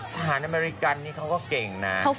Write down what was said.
อเมริกันนี่เขาก็เก่งนะ